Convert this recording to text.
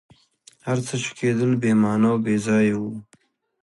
هر څه چي کېدل بي معنی او بېځایه وه.